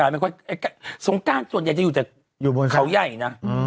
ไม่ค่อยสงกรานด์จะอยู่ข้าวใหญ่นะอ๋อ